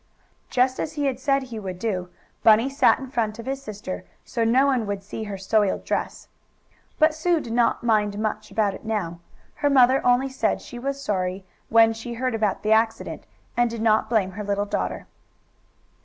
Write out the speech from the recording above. Just as he had said he would do, Bunny sat in front of his sister, so no one would see her soiled dress. But Sue did not much mind about it now. Her mother only said she was sorry, when she heard about the accident, and did not blame her little daughter.